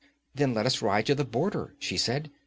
'Then let us ride to the border,' she said.